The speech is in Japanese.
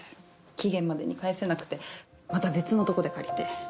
期限までに返せなくてまた別のとこで借りて。